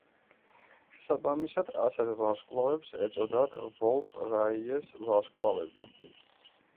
შესაბამისად ასეთ ვარსკვლავებს ეწოდათ ვოლფ-რაიეს ვარსკვლავები.